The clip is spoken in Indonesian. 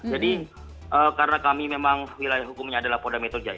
jadi karena kami memang wilayah hukumnya adalah poda metode jaya